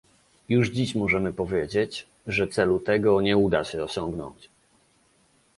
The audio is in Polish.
Już dziś możemy powiedzieć, że celu tego nie uda się osiągnąć